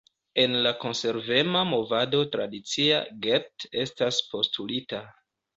En la Konservema movado tradicia "get" estas postulita.